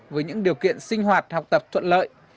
với những điều kiện sinh hoạt học tập thuận lợi